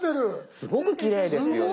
すごくきれいですよね。